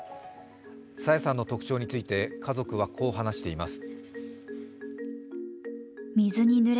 朝芽さんの特徴について家族は、こう話しています。